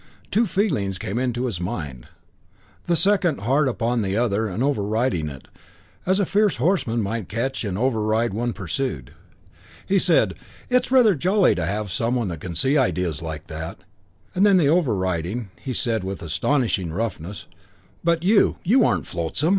Two feelings came into his mind, the second hard upon the other and overriding it, as a fierce horseman might catch and override one pursued. He said, "It's rather jolly to have some one that can see ideas like that." And then the overriding, and he said with astonishing roughness, "But you you aren't flotsam!